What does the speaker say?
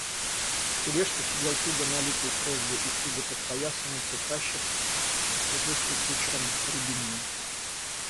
В тележке сидел туго налитой кровью и туго подпоясанный приказчик, служивший кучером Рябинину.